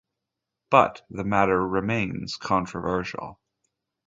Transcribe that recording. But the matter remains controversial.